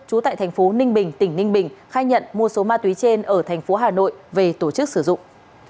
trú tại thành phố ninh bình tỉnh ninh bình khai nhận mua số ma túy trên ở thành phố hà nội về tổ chức sử dụng